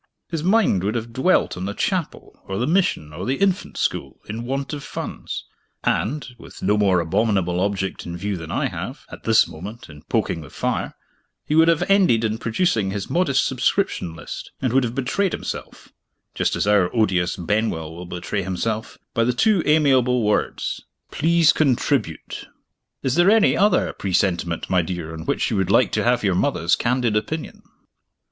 His mind would have dwelt on the chapel, or the mission, or the infant school, in want of funds; and with no more abominable object in view than I have, at this moment, in poking the fire he would have ended in producing his modest subscription list and would have betrayed himself (just as our odious Benwell will betray himself) by the two amiable little words, Please contribute. Is there any other presentiment, my dear, on which you would like to have your mother's candid opinion?"